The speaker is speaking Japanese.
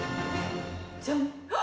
じゃん。